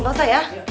nggak usah ya